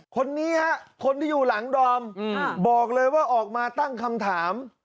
คนนี้ฮะคนที่อยู่หลังดอมบอกเลยว่าออกมาตั้งคำถาม